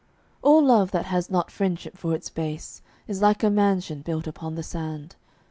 All love that has not friendship for its base Is like a mansion built upon the sand.